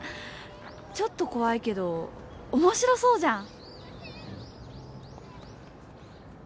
ちょっと怖いけど面白そうじゃん。